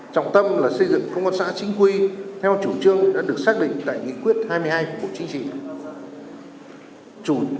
trọng tâm là xây dựng công an xã chính quy theo chủ trương đã được xác định tại nghị quyết hai mươi hai của bộ chính trị